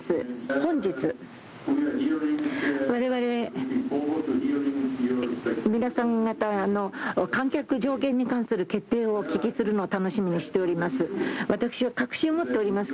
本日、われわれ皆さん方の観客上限に関する決定をお聞きするのを楽しみにしております。